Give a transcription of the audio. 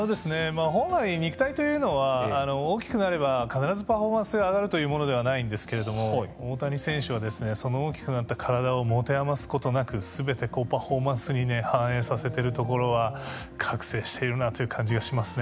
本来肉体というのは大きくなれば必ずパフォーマンスが上がるというものではないんですけれども大谷選手はその大きくなった体を持て余すことなくすべてパフォーマンスに反映させているところは覚醒しているなという感じがしますね。